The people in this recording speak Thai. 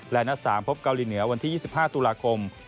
และนัด๓พบเกาหลีเหนือวันที่๒๕ตุลาคม